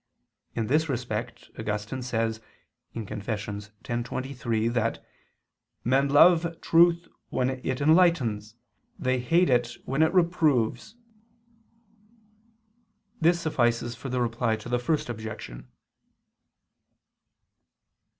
In this respect, Augustine says (Confess. x, 23) that men "love truth when it enlightens, they hate it when it reproves." This suffices for the Reply to the First Objection.